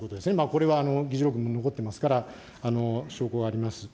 これは議事録も残ってますから、証拠があります。